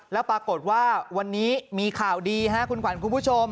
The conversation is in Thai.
แล้วปรากฏว่าวันนี้มีข่าวดีฮะคุณขวัญคุณผู้ชม